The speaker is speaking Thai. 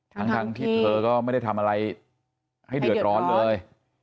ทั้งที่เธอก็ไม่ได้ทำอะไรให้เดือดร้อนเลย